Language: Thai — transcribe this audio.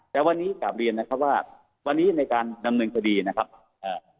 แต่วันนี้กลับเรียนนะครับว่าวันนี้ในการดำเนินคดีนะครับเอ่อ